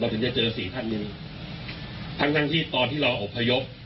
ถึงจะเจอสี่ท่านหนึ่งทั้งทั้งที่ตอนที่เราอบพยพ